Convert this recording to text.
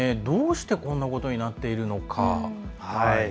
どうして、こんなことになっているのか。